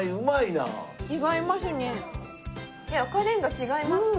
違いますね。